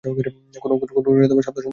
কোনো শব্দ শুনতে পাওনি?